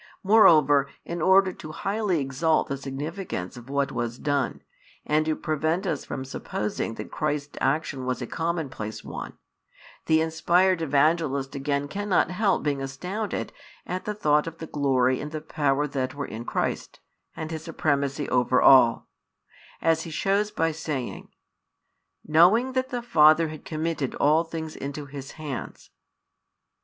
Moreover, in order to highly exalt the significance of what was done, and to prevent us from supposing that Christ's action was a commonplace one, the inspired Evangelist again cannot help being astounded at the thought of the glory and the power that were in Christ, and His supremacy over all; as he shows by saying: Knowing that the Father had committed all things into His hands.